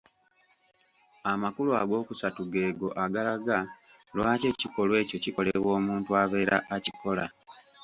Amakulu agookusatu geego agalaga lwaki ekikolwa ekyo kikolebwa omuntu abeera akikola